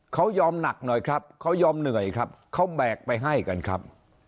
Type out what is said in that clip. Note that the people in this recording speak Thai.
เขายอมหนักหน่อยครับเขายอมเหนื่อยครับเขาแบกไปให้กันครับ